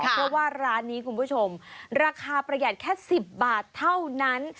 เพราะว่าร้านนี้คุณผู้ชมราคาประหยัดแค่๑๐บาทเท่านั้น